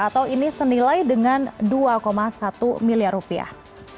atau ini senilai dengan dua satu miliar rupiah